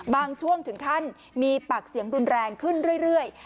ช่วงถึงขั้นมีปากเสียงรุนแรงขึ้นเรื่อย